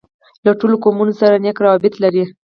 له ټولو قومونوسره نېک راوبط لري.